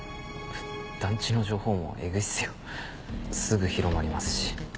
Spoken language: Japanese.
団地の情報網エグいっすよすぐ広まりますし。